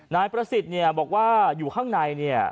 นายประสิทธิ์เนี่ยบอกว่าอยู่ข้างในเนี่ย